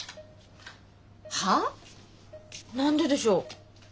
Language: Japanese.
は？何ででしょう？